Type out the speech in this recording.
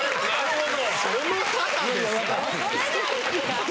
なるほど。